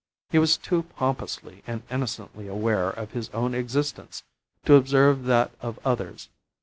He was too pompously and innocently aware of his own existence to observe that of others.